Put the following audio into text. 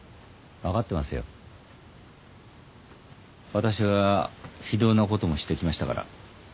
私は非道なこともしてきましたから。